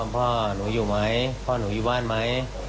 พ่อหนูอยู่ไหมพ่อหนูอยู่บ้านไหม